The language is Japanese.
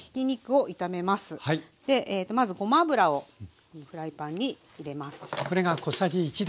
まずごま油をフライパンに入れます。